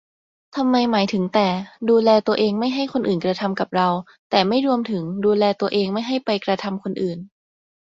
ทำไมหมายถึงแต่ ดูแลตัวเองไม่ให้คนอื่นกระทำกับเรา แต่ไม่รวมถึง ดูแลตัวเองไม่ให้ไปกระทำคนอื่น ?